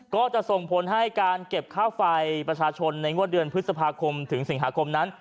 ก็จะส่งผลให้การเก็บค่าไฟประชาชนในงวดเดือนพฤษภาคมถึงสิงหาคมนั้น